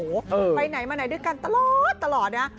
อืมไปไหนมาไหนด้วยกันตลอดนะ